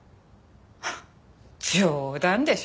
ハッ冗談でしょ。